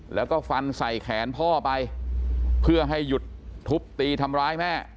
แล้วก็ฟันใส่แขนพ่อไปเพื่อให้หยุดทุบตีทำร้ายแม่